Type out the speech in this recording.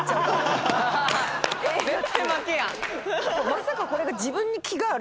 まさかこれが。